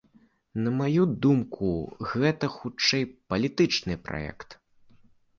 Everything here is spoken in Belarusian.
На маю думку, гэта хутчэй палітычны праект.